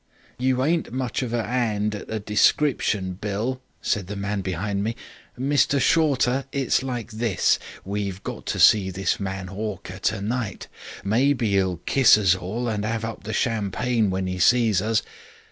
"'You ain't much of a 'and at a description, Bill,' said the man behind me. 'Mr Shorter, it's like this. We've got to see this man Hawker tonight. Maybe 'e'll kiss us all and 'ave up the champagne when 'e sees us.